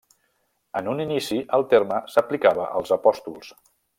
En un inici, el terme s'aplicava als Apòstols.